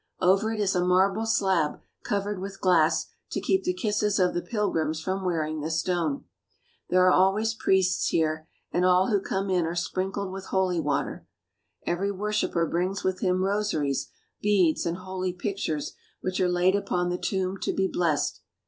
Over it is a marble slab covered with glass to keep the kisses of the pilgrims from wearing the stone. There are always priests here, and all who come in are sprinkled with holy water. Every worshipper brings with him rosaries, beads, and holy pictures which are laid upon the tomb to be blessed.